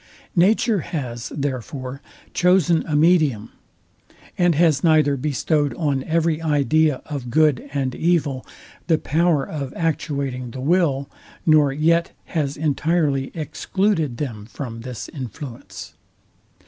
Nature has, therefore, chosen a medium, and has neither bestowed on every idea of good and evil the power of actuating the will, nor yet has entirely excluded them from this influence.